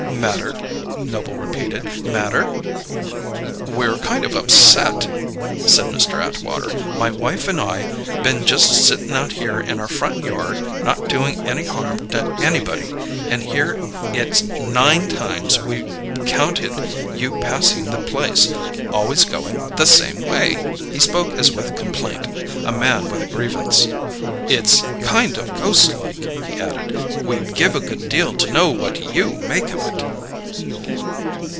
"Matter?" Noble repeated. "Matter?" "We're kind of upset," said Mr. Atwater. "My wife and I been just sittin' out here in our front yard, not doing any harm to anybody, and here it's nine times we've counted you passing the place always going the same way!" He spoke as with complaint, a man with a grievance. "It's kind of ghostlike," he added. "We'd give a good deal to know what you make of it."